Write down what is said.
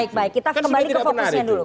kan sih tidak benar itu